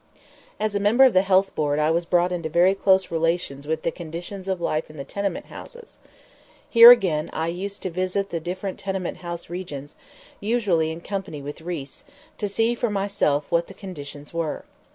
As member of the Health Board I was brought into very close relations with the conditions of life in the tenement house districts. Here again I used to visit the different tenement house regions, usually in company with Riis, to see for myself what the conditions were.